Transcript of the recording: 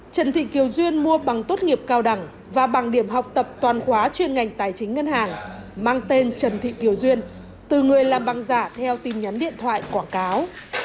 trần thị kiều duyên mua bằng tốt nghiệp cao đẳng và bằng điểm học tập toàn khóa chuyên ngành tài chính ngân hàng mang tên trần thị kiều duyên từ người làm băng giả theo tin nhắn điện thoại quảng cáo